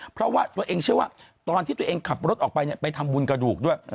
เพราะว่าตัวเองเชื่อว่าตอนที่ตัวเองขับรถออกไปไปทำบุญกระดูกด้วย